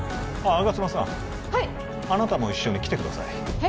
吾妻さんはいあなたも一緒に来てくださいえ？